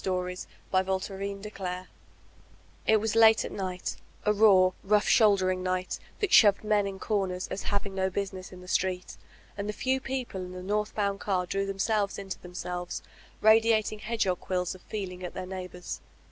Where the White Rose Died IT was late at night, a raw, rotigk^houlderifig night, that shoved men in corners as having no business in the street, and the few people in the northboimd car drew themselves into themselves, radiating hedgdiog quiUs of feeling at their neighbors.